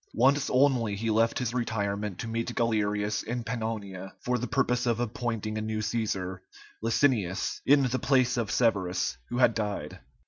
Once only he left his retirement to meet Galerius in Pannonia for the purpose of appointing a new Cæsar, Licinius, in the place of Severus, who had died.